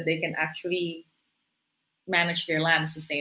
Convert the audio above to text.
menguruskan tanah mereka dengan kekelanjutan